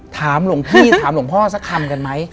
หลวงพี่ถามหลวงพ่อสักคำกันไหม